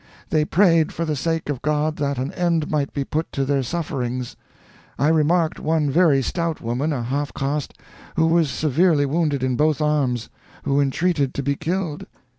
They prayed for the sake of God that an end might be put to their sufferings. I remarked one very stout woman, a half caste, who was severely wounded in both arms, who entreated to be killed.